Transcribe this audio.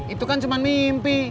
itu kan cuman mimpi